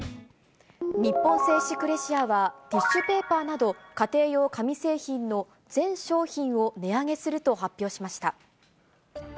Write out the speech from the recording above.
日本製紙クレシアは、ティッシュペーパーなど、家庭用紙製品の全商品を値上げすると発表しました。